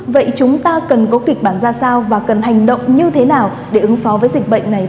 vậy chúng ta cần có kịch bản ra sao và cần hành động như thế nào để ứng phó với dịch bệnh này